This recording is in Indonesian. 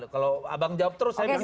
kalau abang jawab terus saya minta